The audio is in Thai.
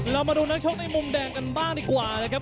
เรามาดูนักชกในมุมแดงกันบ้างดีกว่านะครับ